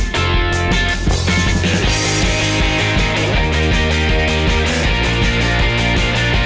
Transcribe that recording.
ขอบคุณครับ